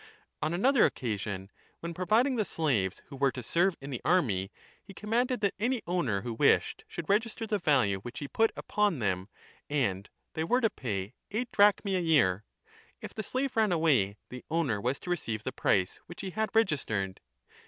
On another occasion, when providing the slaves who were to serve in the army, he commanded that any owner who wished should register the value which he put upon them, 35 and they were to pay eight drachmae a year ; if the slave ran away the owner was to receive the price which he had registered.